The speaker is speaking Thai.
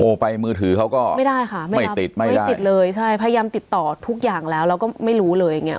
ไปมือถือเขาก็ไม่ได้ค่ะไม่ติดไม่ได้ติดเลยใช่พยายามติดต่อทุกอย่างแล้วแล้วก็ไม่รู้เลยอย่างเงี้